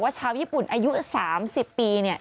ว่าชาวญี่ปุ่นอายุ๓๐ปี